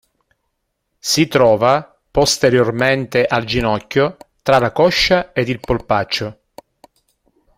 Si trova posteriormente al ginocchio tra la coscia ed il polpaccio.